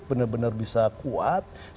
benar benar bisa kuat